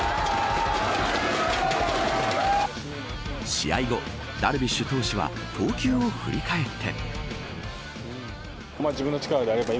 試合後、ダルビッシュ投手は投球を振り返って。